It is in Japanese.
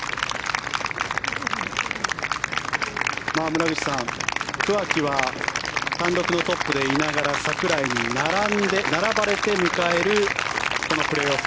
村口さん、桑木は単独のトップでいながら櫻井に並ばれて迎えるこのプレーオフ。